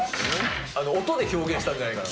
音で表現したんじゃないかと。